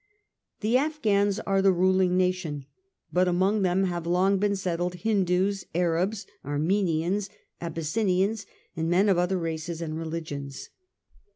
The Afghans are the ruling nation, but among them had long been settled Hindoos, Arabs, Armenians, Abyssinians, and men of other races and religions.